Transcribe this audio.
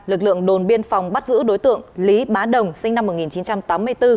lực lượng đồn biên phòng bắt giữ đối tượng lý bá đồng sinh năm một nghìn chín trăm tám mươi bốn